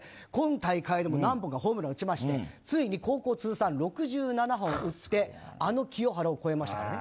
今大会も何本かホームラン打ちましてついに高校通算６７本打って清原を超えました。